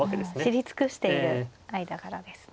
知り尽くしている間柄ですね。